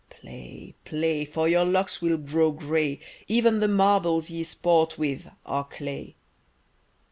Play, play, for your locks will grow gray; Even the marbles ye sport with are clay.